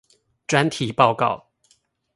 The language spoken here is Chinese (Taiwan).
專題報告